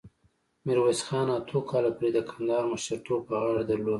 میرویس خان اتو کالو پورې د کندهار مشرتوب په غاړه درلود.